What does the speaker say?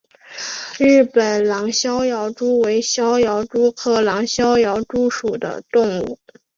日本狼逍遥蛛为逍遥蛛科狼逍遥蛛属的动物。